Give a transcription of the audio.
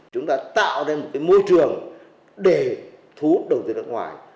chúng ta tạo ra một cái môi trường để thu hút đầu tư nước ngoài